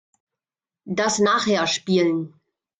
Das nachher spielen.